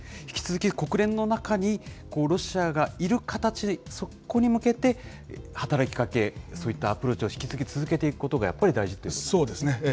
引き続き国連の中にロシアがいる形、そこに向けて、働きかけ、そういったアプローチを引き続き続けていくことがやっぱり大事とそうですね。